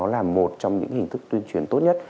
là một trong những hình thức tuyên truyền tốt nhất